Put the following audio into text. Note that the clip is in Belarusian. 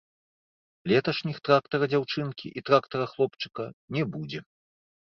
Леташніх трактара-дзяўчынкі і трактара-хлопчыка не будзе.